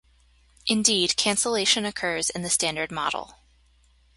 Indeed, cancellation occurs in the Standard Model.